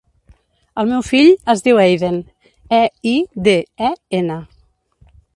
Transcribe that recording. El meu fill es diu Eiden: e, i, de, e, ena.